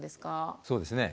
そうですね。